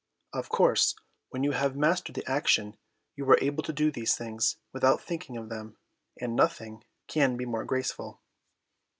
Of course, when you have mastered the action you are able to do these things without thinking of them, and nothing can be more graceful.